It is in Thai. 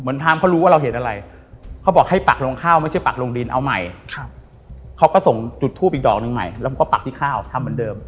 ทามเขารู้ว่าเราเห็นอะไรเขาบอกให้ปักลงข้าวไม่ใช่ปักลงดินเอาใหม่เขาก็ส่งจุดทูปอีกดอกหนึ่งใหม่แล้วผมก็ปักที่ข้าวทำเหมือนเดิม